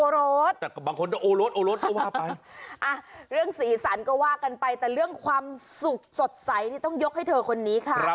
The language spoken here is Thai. เรื่องสีสันก็วากันไปแต่เรื่องความสุขสดใสเนี่ยต้องยกให้เธอคนนี้ค่ะ